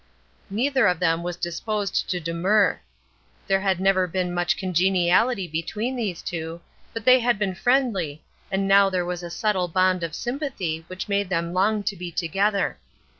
Neither of them was disposed to demur; there had never been much congeniality between these two, but they had been friendly, and now there was a subtle bond of sympathy which made them long to be together.